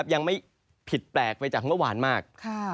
ยังไม่ผิดแปลกด้วยว่าหวานมาก